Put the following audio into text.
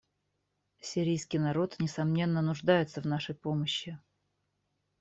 Сирийский народ, несомненно, нуждается в нашей помощи.